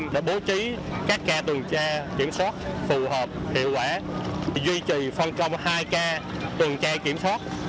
để bố trí các ca tuần tre kiểm soát phù hợp hiệu quả duy trì phân công hai ca tuần tre kiểm soát